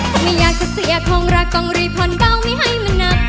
ถ้าไม่อยากจะเสียคงรักต้องรีพลก็ไม่ให้มันหนัก